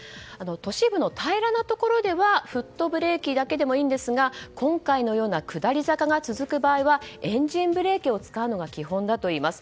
都市部の平らなところではフットブレーキだけでもいいんですが今回のような下り坂が続く場合はエンジンブレーキを使うのが基本だといいます。